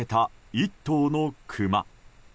１頭のクマ。